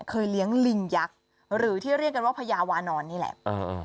เคยเลี้ยงลิงยักษ์หรือที่เรียกกันว่าพญาวานอนนี่แหละ